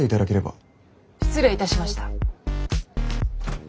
失礼いたしました。